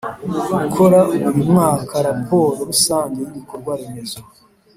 gukora buri mwaka raporo rusange y ibikorwa remezo